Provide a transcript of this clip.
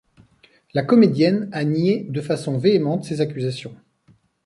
La comédienne a nié de façon véhémente ces accusations.